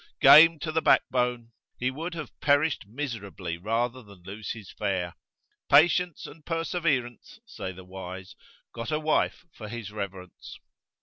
game to the backbone, he would have perished miserably rather than lose his fare: "patience and perseverance," say the wise, "got a wife for his Reverence."